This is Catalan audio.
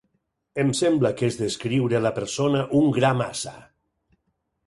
Em sembla que és descriure la persona un gra massa.